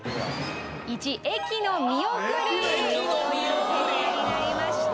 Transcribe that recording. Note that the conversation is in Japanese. １位駅の見送りという結果になりました。